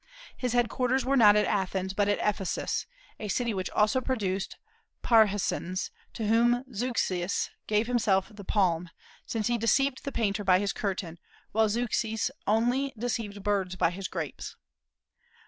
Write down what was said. His headquarters were not at Athens, but at Ephesus, a city which also produced Parrhasins, to whom Zeuxis himself gave the palm, since he deceived the painter by his curtain, while Zeuxis only deceived birds by his grapes.